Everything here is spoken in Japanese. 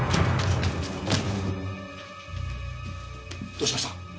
どうしました！？